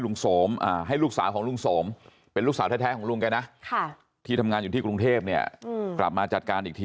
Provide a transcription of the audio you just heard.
หนักใจไปโรงพยาบาลประจำ